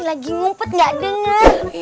lagi ngumpet gak denger